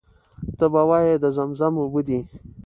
ته به وایې د زمزم اوبه دي.